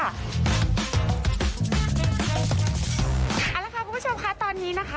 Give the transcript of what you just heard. เอาละค่ะคุณผู้ชมค่ะตอนนี้นะคะ